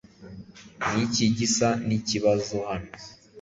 Niki gisa nikibazo hano?